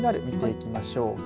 見ていきましょう。